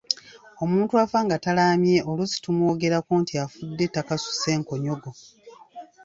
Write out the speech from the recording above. Omuntu afa nga talaamye oluusi tumwogerako nti afudde takasuse nkonyogo.